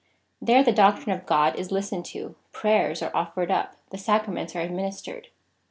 There the doctrine of God is listened to, prayers are offered up, the Sacraments are administered.